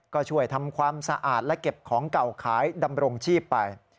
ก็ช่วยทำความสะอาดและเก็บของเก่าขายดำรงชีพไป